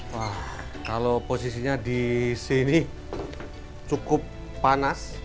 wah kalau posisinya di sini cukup panas